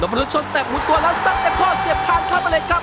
นพรุธชดสเต็ปหัวตัวแล้วสัดเอ็กโฟร์เสียบทางข้ามเล็กครับ